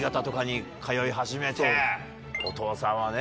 お父さんはね